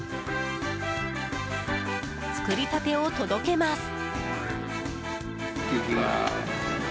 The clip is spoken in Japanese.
作りたてを届けます。